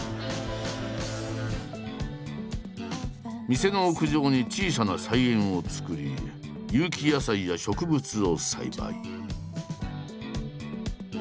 店の屋上に小さな菜園をつくり有機野菜や植物を栽培。